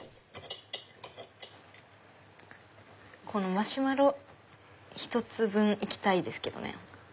このマシュマロ１つ分行きたいですけどね。